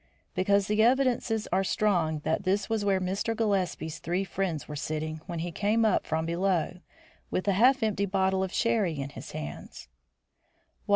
"Because the evidences are strong that this was where Mr. Gillespie's three friends were sitting when he came up from below, with the half empty bottle of sherry in his hands."